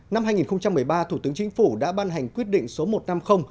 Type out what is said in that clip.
năm hai nghìn một mươi ba thủ tướng chính phủ đã ban hành quyết định số một trăm năm mươi